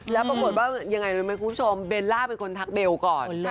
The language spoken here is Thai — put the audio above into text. แล้วปรากฏว่ายังไงรู้ไหมคุณผู้ชมเบลล่าเป็นคนทักเบลก่อน